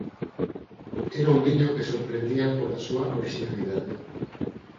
Era un viño que sorprendía pola súa orixinalidade.